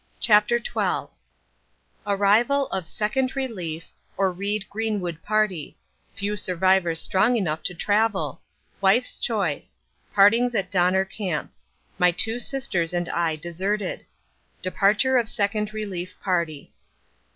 CHAPTER XII ARRIVAL OF SECOND RELIEF, OR REED GREENWOOD PARTY FEW SURVIVORS STRONG ENOUGH TO TRAVEL WIFE'S CHOICE PARTINGS AT DONNER CAMP MY TWO SISTERS AND I DESERTED DEPARTURE OF SECOND RELIEF PARTY.